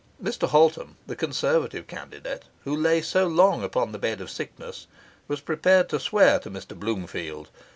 Mr Holtum, the Conservative candidate, who lay so long on the bed of sickness, was prepared to swear to Mr Bloomfield.